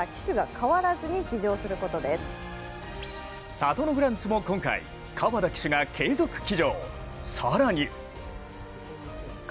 サトノグランツも今回、川田騎手が継続騎乗。